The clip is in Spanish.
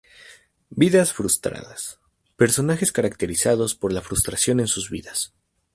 Vidas frustradas: personajes caracterizados por la frustración en sus vidas.